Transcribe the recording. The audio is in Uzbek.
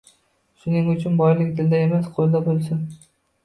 Shuning uchun boylik dilda emas, qo‘lda bo‘lsin.